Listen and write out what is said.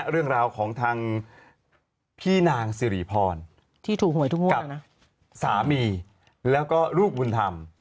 เรื่องราวของทางพี่นางสิริพรที่ถูกหวยทุกงวดกับสามีแล้วก็ลูกบุญธรรม